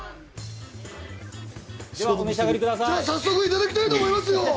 じゃあ、早速いただきたいと思いますよ。